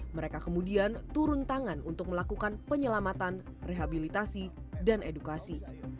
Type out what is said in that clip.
mereka kemudian turun tangan untuk melakukan penyelamatan rehabilitasi dan edukasi